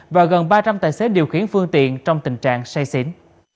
và gần ba trăm linh tài xế điều khiển phương tiện trong tình trạng say xỉn